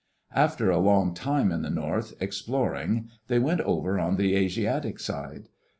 After a long time in the north, exploring, they went over on the Asiatic side.